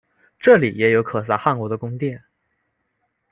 这里也有可萨汗国的宫殿。